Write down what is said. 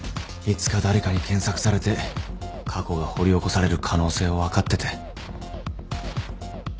いつか誰かに検索されて過去が掘り起こされる可能性を分かってて。